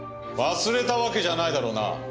忘れたわけじゃないだろうな。